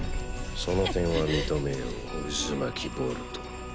その点は認めよううずまきボルト。